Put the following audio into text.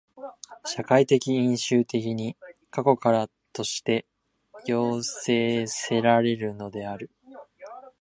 社会的因襲的に過去からとして要請せられるのである。